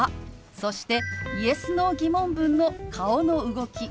そしてＹｅｓ／Ｎｏー疑問文の顔の動き